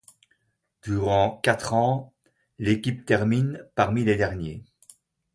Durant quatre ans, l'équipe termine parmi les derniers.